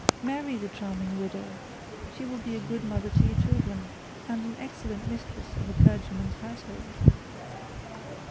Marry the charming widow! She will be a good mother to your children and an excellent mistress of a clergyman's household.'